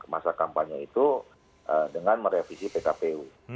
masa kampanye itu dengan merevisi pkpu